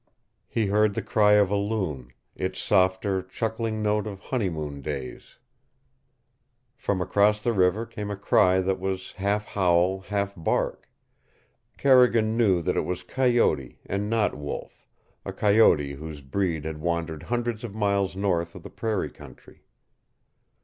He heard the cry of a loon, its softer, chuckling note of honeymoon days. From across the river came a cry that was half howl, half bark. Carrigan knew that it was coyote, and not wolf, a coyote whose breed had wandered hundreds of miles north of the prairie country.